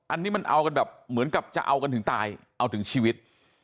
อันนี้มันเอากันแบบเหมือนกับจะเอากันถึงตายเอาถึงชีวิต